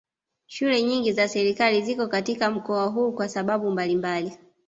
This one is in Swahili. Shule nyingi za sekondari ziko katika mkoa huu kwa sababu mbalimbali